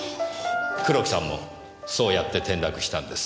黒木さんもそうやって転落したんです。